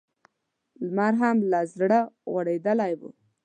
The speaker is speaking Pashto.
لمر هم له زوره غورځېدلی و.